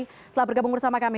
setelah bergabung bersama kami